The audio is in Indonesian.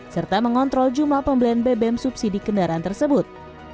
serta mengontrol jumlah pembelian bbm subsidi kendaraan tersebut